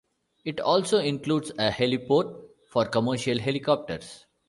It also includes a heliport for commercial helicopters.